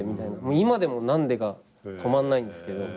今でも「何で」が止まんないんですけど。